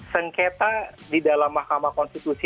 sengketa di dalam mahkamah konstitusi